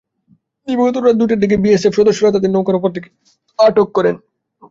দিবাগত রাত দুইটার দিকে বিএসএফ সদস্যরা তাঁদের নৌকার ওপর থেকে আটক করেন।